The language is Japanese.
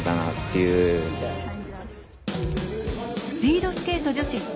スピードスケート女子